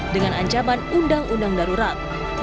dengan ancaman undang undang darurat